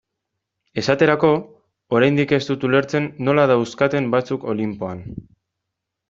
Esaterako, oraindik ez dut ulertzen nola dauzkaten batzuk Olinpoan.